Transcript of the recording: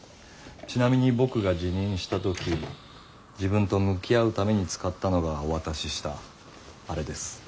ちなみに僕が自認した時自分と向き合うために使ったのがお渡ししたあれです。